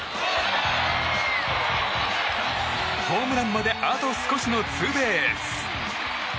ホームランまであと少しのツーベース。